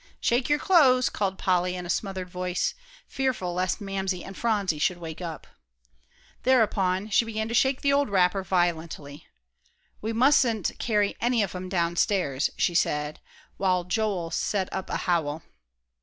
"Shake your clothes," called Polly, in a smothered voice, fearful lest Mamsie and Phronsie should wake up. Thereupon she began to shake the old wrapper violently. "We mustn't carry any of 'em downstairs," she said, while Joel set up a howl.